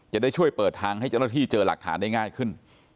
จะได้ช่วยเปิดทางให้เจ้าหน้าที่เจอหลักฐานได้ง่ายขึ้น